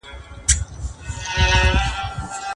د غسل کولو لپاره په کور کي چمتووالی نيول.